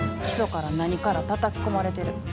基礎から何からたたき込まれてる。